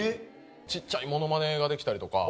ちっちゃいモノマネができたりとか。